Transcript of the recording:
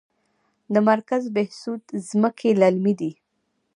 د مرکز بهسود ځمکې للمي دي